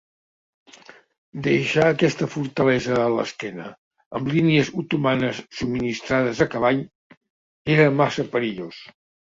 Deixar aquesta fortalesa a l'esquena, amb línies otomanes subministrades a cavall, era massa perillós.